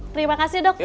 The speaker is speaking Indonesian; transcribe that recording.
terima kasih dok